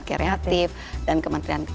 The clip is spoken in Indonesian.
kreatif dan kementerian